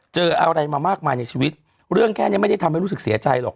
เจออะไรมามากมายในชีวิตเรื่องแค่นี้ไม่ได้ทำให้รู้สึกเสียใจหรอก